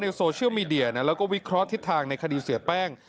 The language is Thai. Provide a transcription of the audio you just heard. โซเชียลมีเดียนะแล้วก็วิเคราะห์ทิศทางในคดีเสียแป้ง